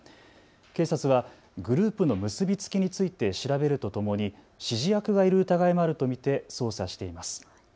警察はグループの結び付きについて調べるとともに指示役がいる疑いもあると見て捜査しています。